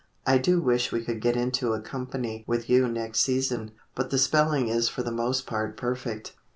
I do wish we could get into a 'conpany' with you next season." But the spelling is for the most part perfect.